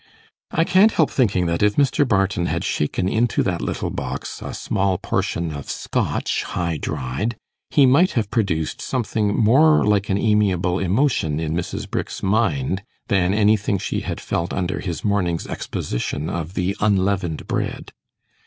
I can't help thinking that if Mr. Barton had shaken into that little box a small portion of Scotch high dried, he might have produced something more like an amiable emotion in Mrs. Brick's mind than anything she had felt under his morning's exposition of the unleavened bread.